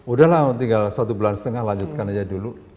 udah lah tinggal satu bulan setengah lanjutkan aja dulu